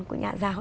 của nhà giáo